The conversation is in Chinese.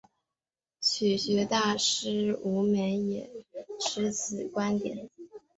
曲学大师吴梅也持此观点。